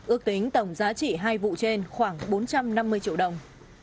ước tính tổng giá trị hai vụ trên khoảng bốn trăm năm mươi triệu đồng